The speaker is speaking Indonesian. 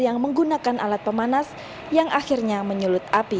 yang menggunakan alat pemanas yang akhirnya menyulut api